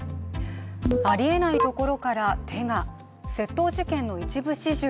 ありえないところから手が。